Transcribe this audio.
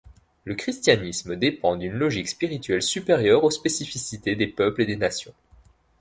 Le Christianisme dépend d'une logique spirituelle supérieure aux spécificités des peuples et des nations.